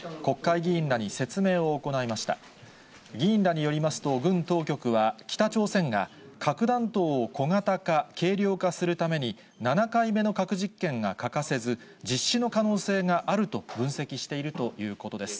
議員らによりますと、軍当局は、北朝鮮が核弾頭を小型化・軽量化するために、７回目の核実験が欠かせず、実施の可能性があると分析しているということです。